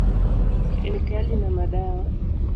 Kemikali na madawa.